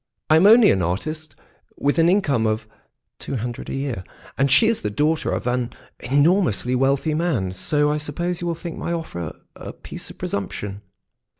" I am only an artist with an income of two hundred a year, and she is the daughter of an enormously wealthy man, so I suppose you will think my offer a piece of presumption."